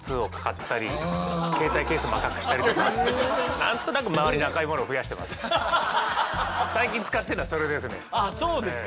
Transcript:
何となく最近使ってるのはそれですね。